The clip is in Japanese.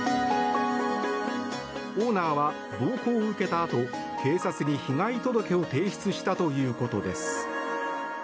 オーナーは暴行を受けたあと警察に被害届を提出したということです。